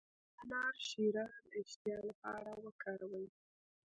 د انار شیره د اشتها لپاره وکاروئ